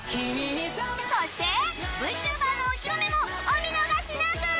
そして ＶＴｕｂｅｒ のお披露目もお見逃しなく！